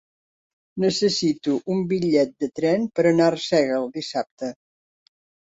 Necessito un bitllet de tren per anar a Arsèguel dissabte.